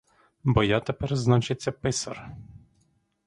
Бо я тепер, значиться, писар.